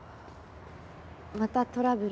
またトラブル？